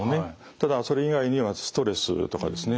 ただそれ以外にはストレスとかですね